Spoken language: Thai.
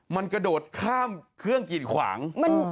มันกระโดดข้ามเครื่องกิดขวาง